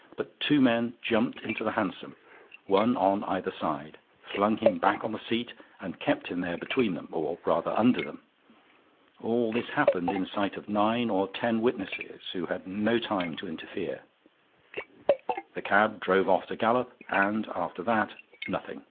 But two men jumped into the hansom, one on either side, flung him back on the seat and kept him there between them, or rather under them. All this happened in sight of nine or ten witnesses, who had no time to interfere. The cab drove off at a gallop. And, after that, nothing.